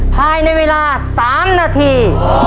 ภายในเวลา๓นาที